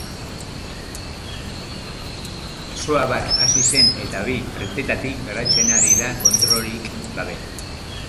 Sua bart hasi zen eta bi frentetatik garatzen ari da kontrolik gabe.